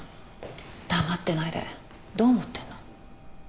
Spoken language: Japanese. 黙ってないでどう思ってんの？